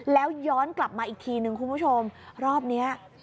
แล้วย้อนกลับมาอีกทีนึงคุณผู้ชมรอบนี้